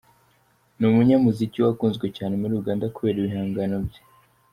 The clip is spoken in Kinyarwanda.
Ni umunyamuziki wakunzwe cyane muri Uganda kubera ibihangano bye.